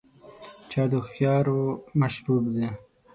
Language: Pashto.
چای د هوښیارو مشروب دی.